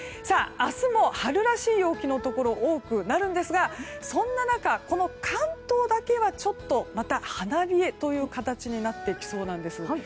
明日も春らしい陽気のところ多くなるんですがそんな中、この関東だけはちょっと花冷えという形になってきそうなんです。